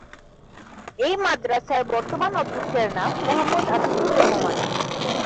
এই মাদ্রাসার বর্তমান অধ্যক্ষের নাম মোহাম্মদ আতিকুর রহমান।